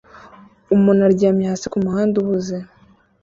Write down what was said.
Umuntu aryamye hasi kumuhanda uhuze